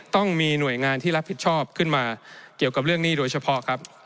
ต้องมีหน่วยงานที่รับผิดชอบขึ้นมาเกี่ยวกับเรื่องหนี้โดยเฉพาะครับ